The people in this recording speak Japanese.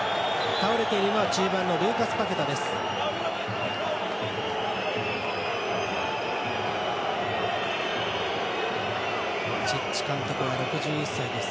倒れているのは中盤のルーカス・パケタです。